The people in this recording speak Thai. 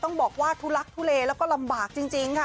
ต้องบอกว่าทุลักทุเลแล้วก็ลำบากจริงค่ะ